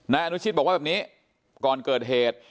นายอนุชิตบอกว่าแบบนี้ก่อนเกิดเหตุ